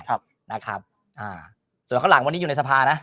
ครับนะครับอ่าส่วนข้างหลังวันนี้อยู่ในสภานะ